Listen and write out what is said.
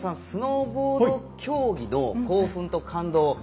スノーボード競技の興奮と感動